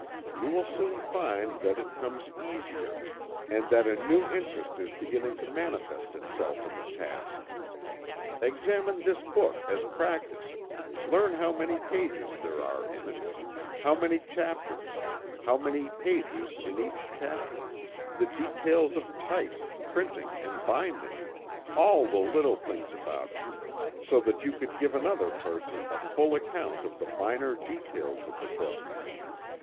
You will soon find that it comes easier, and that a new interest is beginning to manifest itself in the task. Examine this book, as practice, learn how many pages there are in it; how many chapters; how many pages in each chapter; the details of type, printing and binding all the little things about it so that you could give another person a full account of the minor details of the book.